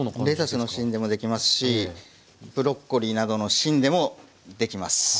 レタスの芯でもできますしブロッコリーなどの芯でもできます。